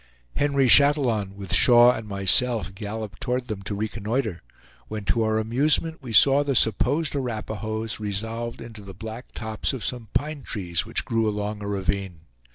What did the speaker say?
Henry Chatillon, with Shaw and myself, galloped toward them to reconnoiter, when to our amusement we saw the supposed Arapahoes resolved into the black tops of some pine trees which grew along a ravine.